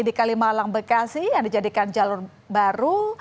di kalimalang bekasi yang dijadikan jalur baru